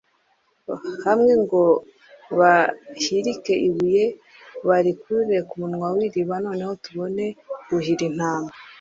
hamwe ngo bahirike ibuye barikure ku munwa w iriba noneho tubone kuhira intama